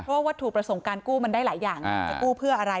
ว่าวัตถุประสงค์การกู้มันได้หลายอย่างจะกู้เพื่ออะไร